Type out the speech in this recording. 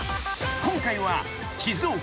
［今回は静岡。